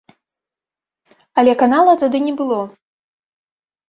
Але канала тады не было.